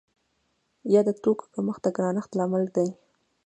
یا د توکو کمښت د ګرانښت لامل دی؟